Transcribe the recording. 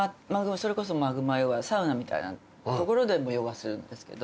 それこそマグマヨガはサウナみたいな所でヨガするんですけど。